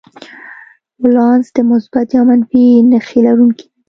ولانس د مثبت یا منفي نښې لرونکی نه دی.